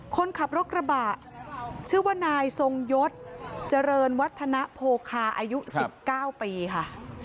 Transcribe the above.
คนขับรถกระบะชื่อว่านายทรงยศเจริญวัฒนโพคาอายุ๑๙ปีค่ะ